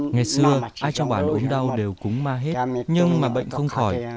ngày xưa ai trong bản uống đau đều cúng ma hết nhưng mà bệnh không khỏi